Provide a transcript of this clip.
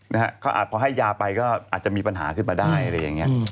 อาจพอให้ยาไปก็อาจจะมีปัญหาขึ้นมาได้อะไรอย่างเงี้ย